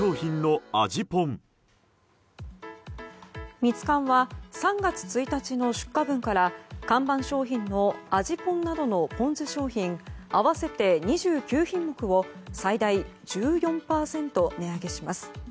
ミツカンは３月１日の出荷分から看板商品の味ぽんなどのポン酢商品合わせて２９品目を最大１４％値上げします。